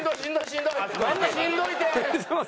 しんどいて！